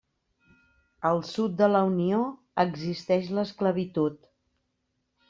Al Sud de la Unió, existeix l'esclavitud.